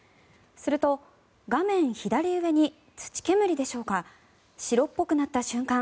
すると、画面左上に土煙でしょうか白っぽくなった瞬間